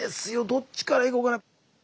どっちからいこうかな。